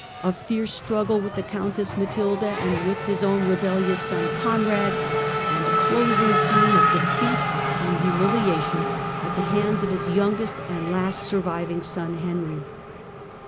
a fierce struggle with the Countess Matilda and with his own rebellious son Conrad, and a closing scene of defeat and humiliation at the hands of his youngest and last surviving son Henry.